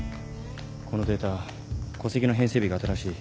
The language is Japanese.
このデータ戸籍の編製日が新しい。